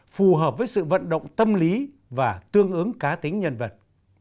phù hợp với sự vận động tâm lý và tương ứng cá tính nhân vật